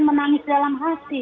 menangis dalam hati